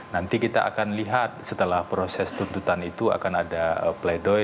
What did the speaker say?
nanti kita akan lihat setelah proses tuntutan itu akan ada pledoy